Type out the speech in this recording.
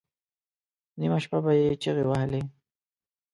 نیمه شپه به یې چیغې وهلې.